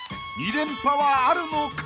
［２連覇はあるのか？］